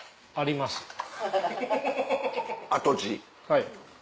はい。